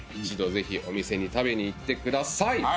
一度ぜひお店に食べに行ってください。